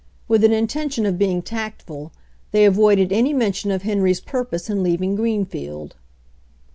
With an intention of being tactful, they avoided any mention of Henry's purpose in leaving Greenfield.